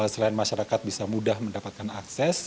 selain masyarakat bisa mudah mendapatkan akses